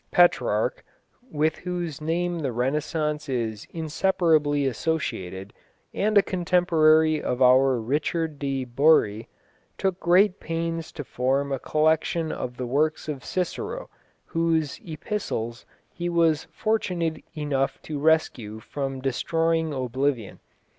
Petrarch, with whose name the Renaissance is inseparably associated, and a contemporary of our Richard de Bury, took great pains to form a collection of the works of Cicero, whose Epistles he was fortunate enough to rescue from destroying oblivion.